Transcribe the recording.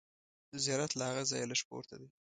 زیارت له هغه ځایه لږ پورته دی.